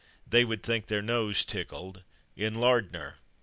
they/ would think /their/ nose tickled" in Lardner.